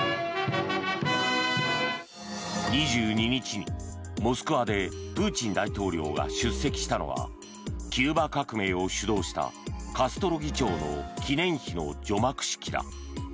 ２２日にモスクワでプーチン大統領が出席したのはキューバ革命を主導したカストロ議長の記念碑の除幕式だ。